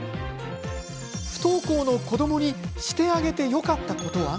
不登校の子どもにしてあげてよかったことは？